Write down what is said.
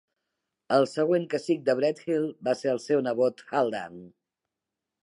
El següent cacic de Brethil va ser el seu nebot Haldan.